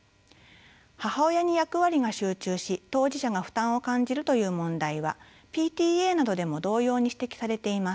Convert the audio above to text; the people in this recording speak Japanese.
母親に役割が集中し当事者が負担を感じるという問題はＰＴＡなどでも同様に指摘されています。